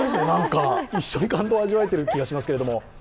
一緒に感動を味わえている気がしますけれども。